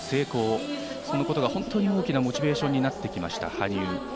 このことが本当に大きなモチベーションになってきました。